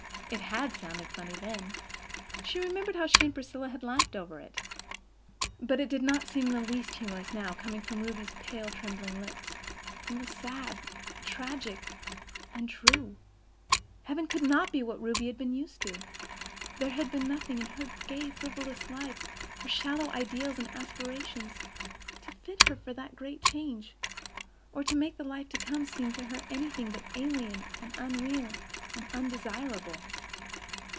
It had sounded funny then—she remembered how she and Priscilla had laughed over it. But it did not seem in the least humorous now, coming from Ruby's pale, trembling lips. It was sad, tragic—and true! Heaven could not be what Ruby had been used to. There had been nothing in her gay, frivolous life, her shallow ideals and aspirations, to fit her for that great change, or make the life to come seem to her anything but alien and unreal and undesirable.